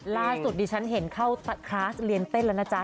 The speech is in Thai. ดิฉันเห็นเข้าคลาสเรียนเต้นแล้วนะจ๊ะ